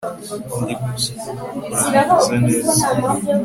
Ndi guswera kurangiza neza